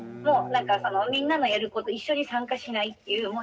みんなのやること一緒に参加しないっていう。